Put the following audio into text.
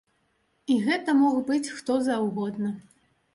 І гэта мог быць хто заўгодна.